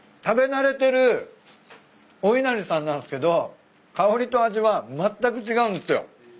食べ慣れてるおいなりさんなんすけど香りと味はまったく違うんですよ。